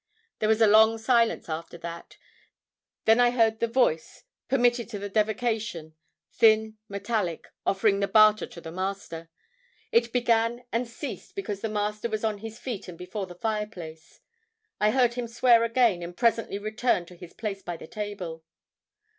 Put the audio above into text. There was a long silence after that; them I heard the voice, permitted to the devocation thin, metallic, offering the barter to the Master. It began and ceased because the Master was on his feet and before the fireplace. I heard him swear again, and presently return to his place by the table."